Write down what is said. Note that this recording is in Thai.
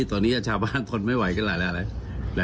ตอนนี้ชาวบ้านทนไม่ไหวละ